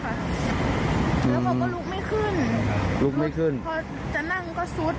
แล้วพ่อก็ลุกไม่ขึ้นพอจะนั่งก็ซุด